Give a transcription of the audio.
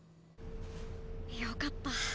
よかった。